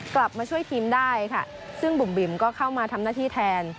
กลับมาช่วยทีมได้ค่ะซึ่งบุ๋มบิ๋มก็เข้ามาทำหน้าที่แทน